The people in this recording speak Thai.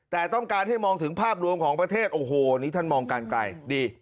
แต่ต้องการให้มองถึงภาพรวมของประเทศโอ้โหนี่ท่านมองการไกลดี